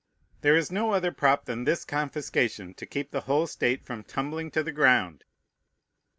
There is no other prop than this confiscation to keep the whole state from tumbling to the ground.